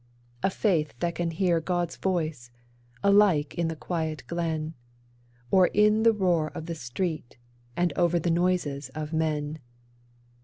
A faith that can hear God's voice, alike in the quiet glen, Or in the roar of the street, and over the noises of men.